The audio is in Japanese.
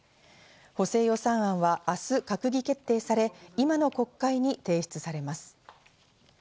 補正予算案は明日、閣議決定され、今の国会に提出されます。